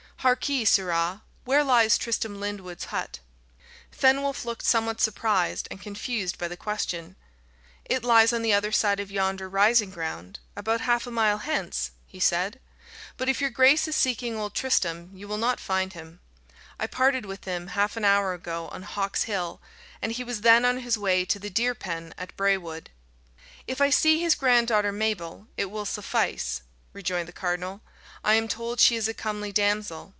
Harkee, sirrah! where lies Tristram Lyndwood's hut?" Fenwolf looked somewhat surprised and confused by the question. "It lies on the other side of yonder rising ground, about half a mile hence," he said. "But if your grace is seeking old Tristram, you will not find him. I parted with him, half an hour ago, on Hawk's Hill, and he was then on his way to the deer pen at Bray Wood." "If I see his granddaughter Mabel, it will suffice," rejoined the cardinal. "I am told she is a comely damsel.